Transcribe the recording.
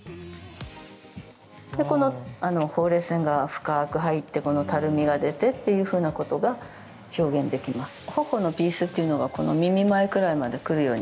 このほうれい線が深く入って、このたるみが出てっていうふうなことが表現できます。